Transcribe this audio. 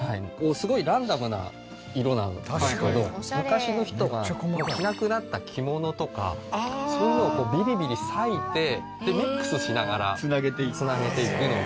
すごいランダムな色なんですけど昔の人が着なくなった着物とかそういうのをビリビリ裂いてミックスしながら繋げていくのでランダムになるんですよ。